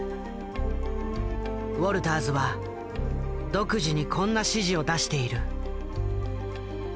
ウォルターズは独自にこんな指示を出している。